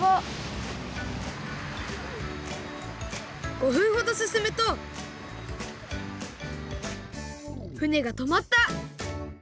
５分ほどすすむと船がとまった！